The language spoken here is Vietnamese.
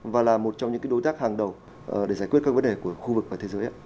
và là một trong những đối tác hàng đầu để giải quyết các vấn đề của khu vực và thế giới